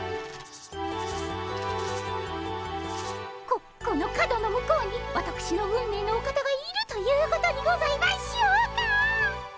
ここの角の向こうにわたくしの運命のお方がいるということにございましょうか。